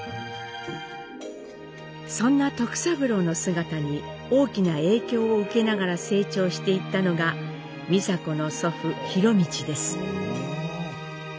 そんな徳三郎の姿に大きな影響を受けながら成長していったのが美佐子の祖父博通です。